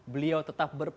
beliau tetap berpegang